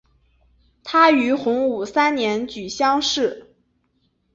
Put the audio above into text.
他于洪武三年举乡试。